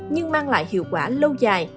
nhưng mang lại hiệu quả lâu dài